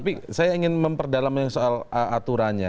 tapi saya ingin memperdalam yang soal aturannya